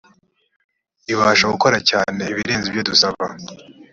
ibasha gukora cyane iberenze ibyo dusaba